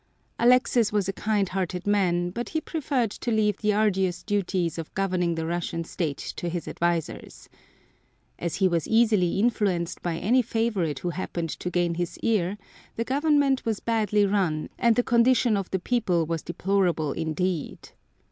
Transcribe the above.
Alexis was a kind hearted man, but preferred to leave the arduous duties of governing the Russian State to his advisors. As he was easily influenced by any favorite who happened to gain his ear the Government was badly run and the condition of the people was deplorable indeed.